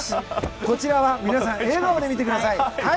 こちらは皆さん笑顔で見てください。